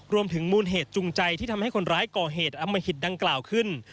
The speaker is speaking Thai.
มูลเหตุจูงใจที่ทำให้คนร้ายก่อเหตุอมหิตดังกล่าวขึ้น